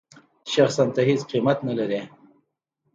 شخصاً ته هېڅ قېمت نه لرې.